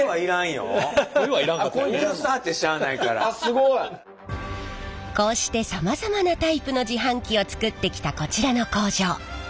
すごい！こうしてさまざまなタイプの自販機を作ってきたこちらの工場。